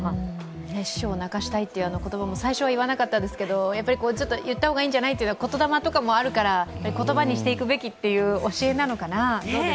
師匠を泣かしたいという言葉も最初は言わなかったですけど、やっぱりいった方がいいんじゃないっていう、言霊とかもあるから言葉にしていくべきという教えなのかな。